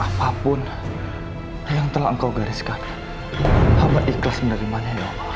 apapun yang telah engkau gariskan hamba ikhlas menerimanya ya allah